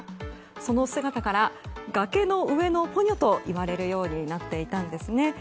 その姿から崖の上のポニョと言われるようになっていたんですね。